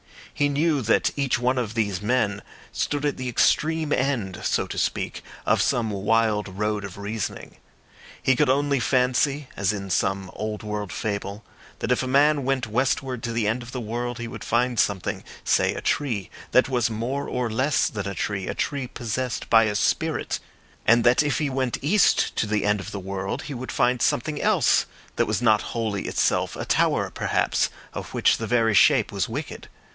He knew that each one of these men stood at the extreme end, so to speak, of some wild road of reasoning. He could only fancy, as in some old world fable, that if a man went westward to the end of the world he would find something—say a tree—that was more or less than a tree, a tree possessed by a spirit; and that if he went east to the end of the world he would find something else that was not wholly itself—a tower, perhaps, of which the very shape was wicked.